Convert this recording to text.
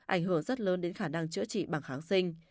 ảnh hưởng rất lớn đến khả năng chữa trị bằng kháng sinh